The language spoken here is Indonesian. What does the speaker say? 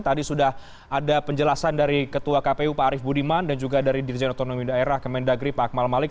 tadi sudah ada penjelasan dari ketua kpu pak arief budiman dan juga dari dirjen otonomi daerah kemendagri pak akmal malik